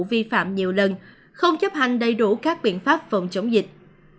vi phạm nhiều lần không chấp hành đầy đủ các biện pháp phòng chống dịch